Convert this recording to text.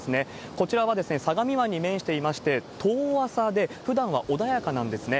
こちらは相模湾に面していまして、遠浅でふだんは穏やかなんですね。